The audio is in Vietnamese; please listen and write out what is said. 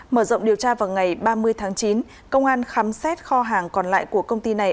mở rộng điều tra vào ngày ba mươi tháng chín công an khám xét kho hàng còn lại của công ty này